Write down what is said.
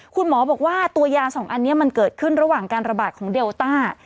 คุณหมอบอกว่าตัวยาสองอันนี้มันเกิดขึ้นระหว่างการระบาดของเดลต้า